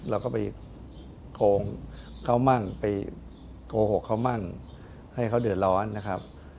เราก็ไปโกงเขามั่งไปโกหกเขามั่งให้เขาเดือดร้อนนะครับ